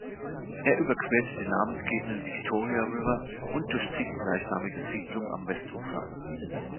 Er überquert den namensgebenden Victoria River und durchzieht die gleichnamige Siedlung am Westufer.